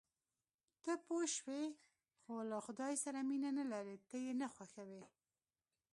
ته پوه شوې، خو له خدای سره مینه نه لرې، ته یې نه خوښوې.